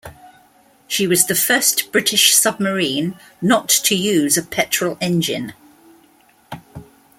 She was the first British submarine not to use a petrol engine.